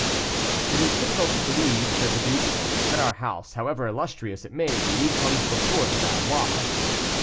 "It is difficult to believe," said the duke, "that our house, however illustrious it may be, comes before the Valois."